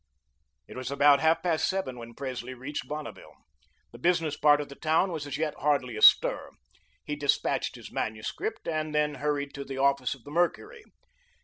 It was about half past seven when Presley reached Bonneville. The business part of the town was as yet hardly astir; he despatched his manuscript, and then hurried to the office of the "Mercury."